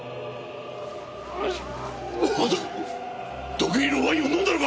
毒入りのワインを飲んだのか！